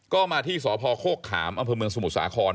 ก็มาที่สพโคกขามอำเภอเมืองสมุทรสาคร